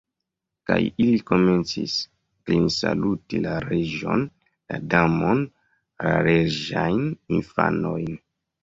Kaj ili komencis klinsaluti la Reĝon, la Damon, la reĝajn infanojn.